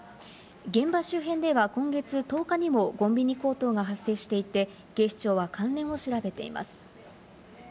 現場周辺では、今月１０日にもコンビニ強盗が発生していて、警視庁は関連を調べています。